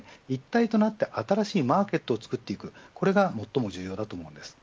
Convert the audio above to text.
一体となって新しいマーケットをつくっていく、これが最も重要だと思うんです。